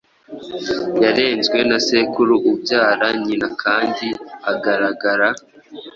Yarezwe na sekuru ubyara nyinakandi agaragara